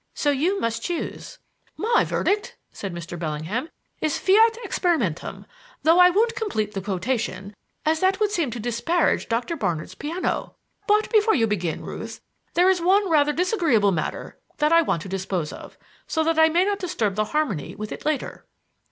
So you must choose." "My verdict," said Mr. Bellingham, "is fiat experimentum, though I won't complete the quotation, as that would seem to disparage Doctor Barnard's piano. But before you begin, Ruth, there is one rather disagreeable matter that I want to dispose of, so that I may not disturb the harmony with it later."